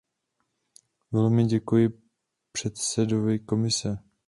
Velmi děkuji předsedovi Komise.